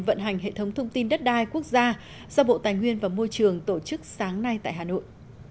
vận hành hệ thống thông tin đất đai quốc gia do bộ tài nguyên và môi trường tổ chức sáng nay tại hà nội